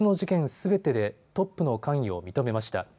すべてでトップの関与を認めました。